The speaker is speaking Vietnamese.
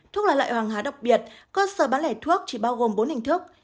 thuốc là loại hoàng há đặc biệt cơ sở bán lẻ thuốc chỉ bao gồm bốn hình thức